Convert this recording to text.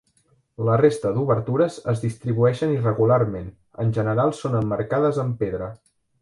La resta d'obertures es distribueixen irregularment, en general són emmarcades en pedra.